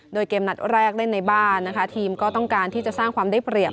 โดยเกมนัดแรกเล่นในบ้านนะคะทีมก็ต้องการที่จะสร้างความได้เปรียบ